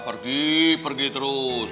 pergi pergi terus